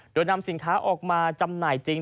โดยนำสินค้าออกมาจำหน่ายจริง